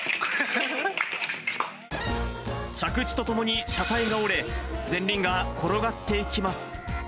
着地とともに車体が折れ、前輪が転がっていきます。